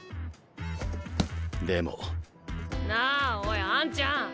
なあおいあんちゃん。